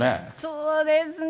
そうですね。